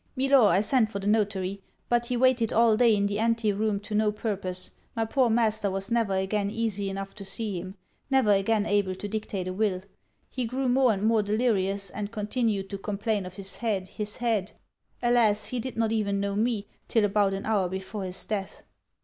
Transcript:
'Milor, I sent for the notary, But he waited all day in the anti room to no purpose. My poor master was never again easy enough to see him never again able to dictate a will. He grew more and more delirious, and continued to complain of his head, his head! Alas! he did not even know me, till about an hour before his death.'